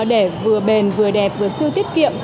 để vừa bền vừa đẹp vừa siêu tiết kiệm